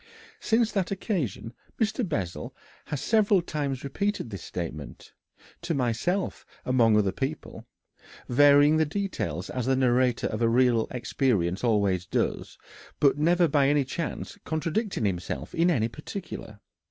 Since that occasion Mr. Bessel has several times repeated this statement to myself among other people varying the details as the narrator of real experiences always does, but never by any chance contradicting himself in any particular.